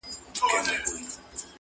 د قاضي معاش څو چنده ته رسېږې .